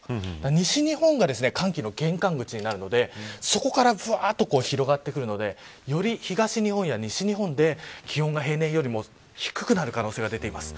西日本が寒気の玄関口になるのでそこから広がってくるのでより東日本や西日本で気温が平年よりも低くなる可能性が出ています。